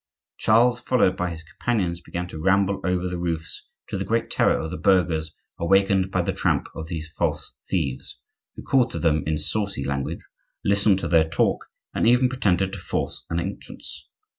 Charles, followed by his companions, began to ramble over the roofs, to the great terror of the burghers awakened by the tramp of these false thieves, who called to them in saucy language, listened to their talk, and even pretended to force an entrance.